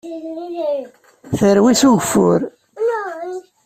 Terwi s ugeffur.